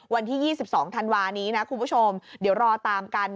วันที่๒๒ธันวานี้นะคุณผู้ชมเดี๋ยวรอตามกัน